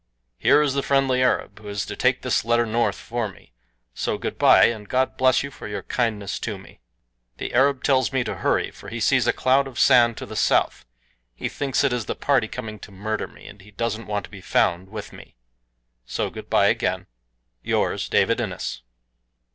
Here is the friendly Arab who is to take this letter north for me, so good bye, and God bless you for your kindness to me. The Arab tells me to hurry, for he sees a cloud of sand to the south he thinks it is the party coming to murder me, and he doesn't want to be found with me. So good bye again. Yours, DAVID INNES.